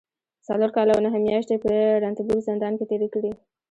څلور کاله او نهه مياشتې په رنتنبور زندان کې تېرې کړي